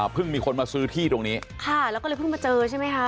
มีคนมาซื้อที่ตรงนี้ค่ะแล้วก็เลยเพิ่งมาเจอใช่ไหมคะ